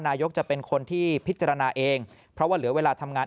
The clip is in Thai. นายกจะเป็นคนที่พิจารณาเองเพราะว่าเหลือเวลาทำงาน